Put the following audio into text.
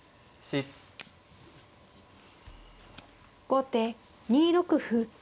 後手２六歩。